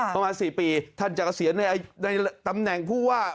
ประมาณ๔ปีท่านจะเกษียณในอายุราชการในตำแหน่งผู้ว่า